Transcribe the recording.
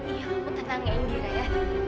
iya kamu tenang indira ya